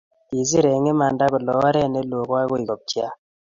kisiir eng imanda, kole oret neloo koagoi kopcheak